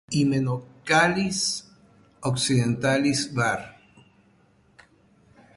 Hymenocallis occidentalis var.